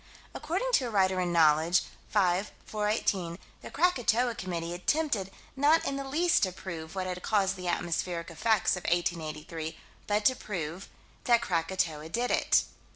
According to a writer in Knowledge, 5 418, the Krakatoa Committee attempted not in the least to prove what had caused the atmospheric effects of 1883, but to prove that Krakatoa did it.